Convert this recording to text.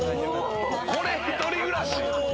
これ一人暮らし？